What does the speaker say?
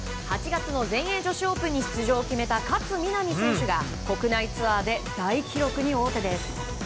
８月の全英女子オープンに出場を決めた勝みなみ選手が国内ツアーで大記録に王手です。